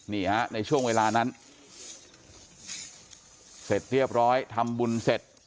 นี่ฮะในช่วงเวลานั้นเสร็จเรียบร้อยทำบุญเสร็จ